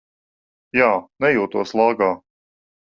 Jā, nejūtos lāgā.